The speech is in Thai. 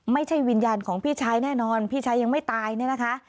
ไม่ใช่วิญญาณของพี่ชายแน่นอนพี่ชายยังไม่ตายเนี่ยนะคะ